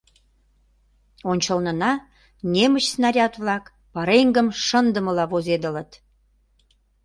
Ончылнына немыч снаряд-влак пареҥгым шындымыла возедылыт.